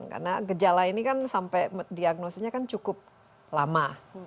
karena gejala ini kan sampai diagnosenya cukup lama